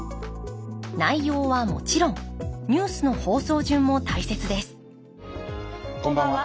内容はもちろんニュースの放送順も大切ですこんばんは。